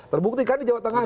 terbukti kan di jawa tengah